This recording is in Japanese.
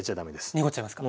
濁っちゃいますか？